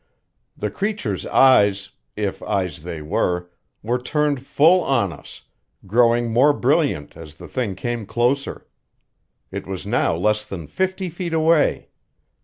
The creature's eyes if eyes they were were turned full on us, growing more brilliant as the thing came closer. It was now less than fifty feet away.